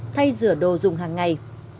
thay rửa đồ dùng hàng ngày